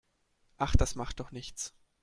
Ach, das macht doch nichts.